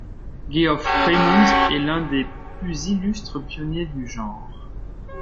Geoff Crammond est l'un des plus illustres pionniers du genre.